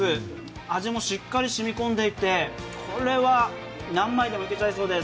味もしっかり染みこんでいてこれは何枚でもいけちゃいそうです。